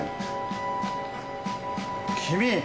君。